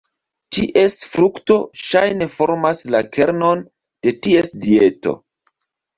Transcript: Ties frukto ŝajne formas la kernon de ties dieto.